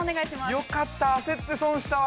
◆よかった、焦って損したわ。